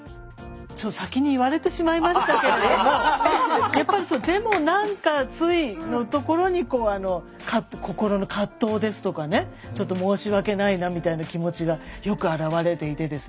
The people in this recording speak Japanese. ちょっと先に言われてしまいましたけれどもやっぱり「でもなんかつい」のところに心の葛藤ですとかねちょっと申し訳ないなみたいな気持ちがよく表れていてですね